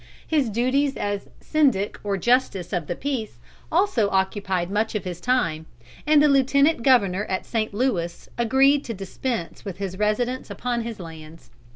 His duties as syndic or justice of the peace also occupied much of his time, and the Lieutenant Governor at St. Louis agreed to dispense with his residence upon his lands.